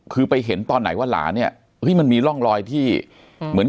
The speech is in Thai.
คือไปเห็นตอนไหนว่าหลานเนี่ยมันมีร่องรอยที่เหมือน